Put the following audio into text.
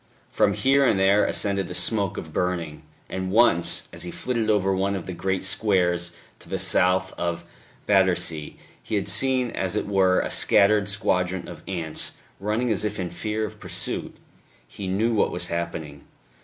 From here and there ascended the smoke of burning; and once, as he flitted over one of the great squares to the south of Battersea, he had seen as it were a scattered squadron of ants running as if in fear or pursuit.... He knew what was happening....